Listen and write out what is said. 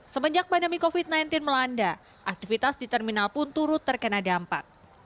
semenjak pandemi covid sembilan belas melanda aktivitas di terminal pun turut terkena dampak